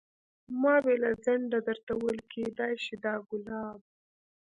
ما بې له ځنډه درته وویل کېدای شي دا ګلاب.